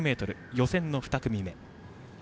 予選の２組目。